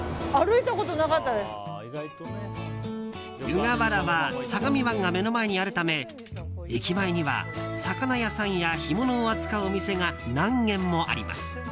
湯河原は相模湾が目の前にあるため駅前には魚屋さんや干物を扱うお店が何軒もあります。